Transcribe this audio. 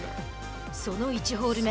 その１ホール目